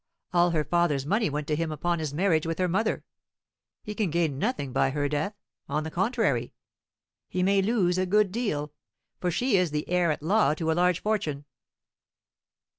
All her father's money went to him upon his marriage with her mother. He can gain nothing by her death; on the contrary, he may lose a good deal, for she is the heir at law to a large fortune."